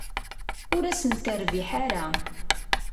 Ur asen-terbiḥ ara.